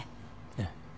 ええ。